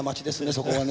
そこはね。